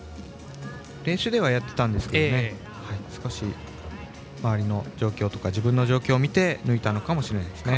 練習ではやっていたんですが少し周りの状況とか自分の状況を見て抜いたのかもしれないですね。